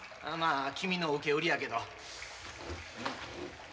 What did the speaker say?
まあ君の受け売りやけど。